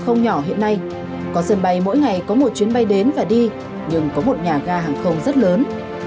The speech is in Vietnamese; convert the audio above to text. không nhỏ hiện nay có sân bay mỗi ngày có một chuyến bay đến và đi nhưng có một nhà ga hàng không rất lớn